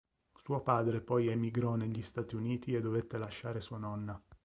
Suo padre poi emigrò negli Stati Uniti e dovette lasciare sua nonna.